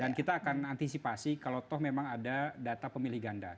dan kita akan antisipasi kalau memang ada data pemilih ganda